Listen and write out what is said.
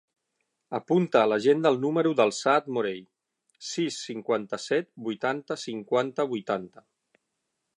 Apunta a l'agenda el número del Saad Morell: sis, cinquanta-set, vuitanta, cinquanta, vuitanta.